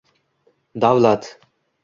davlat